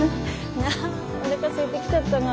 おなかすいてきちゃったな。